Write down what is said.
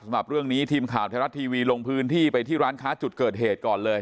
สำหรับเรื่องนี้ทีมข่าวไทยรัฐทีวีลงพื้นที่ไปที่ร้านค้าจุดเกิดเหตุก่อนเลย